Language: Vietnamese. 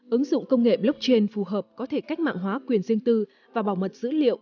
ứng dụng công nghệ blockchain phù hợp có thể cách mạng hóa quyền riêng tư và bảo mật dữ liệu